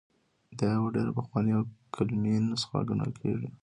دا یوه ډېره پخوانۍ او قلمي نسخه ګڼل کیږي.